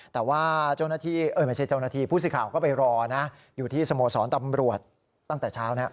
แต่ว่าผู้สิทธิ์ข่าวก็ไปรอนะอยู่ที่สโมสรตำรวจตั้งแต่เช้านะครับ